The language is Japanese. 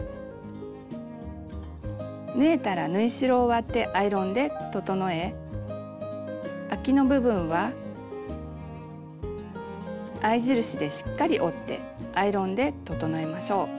縫えたら縫い代を割ってアイロンで整えあきの部分は合い印でしっかり折ってアイロンで整えましょう。